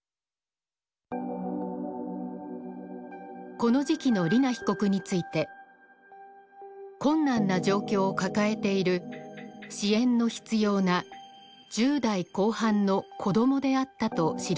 この時期の莉菜被告について困難な状況を抱えている支援の必要な１０代後半の子どもであったと記しています。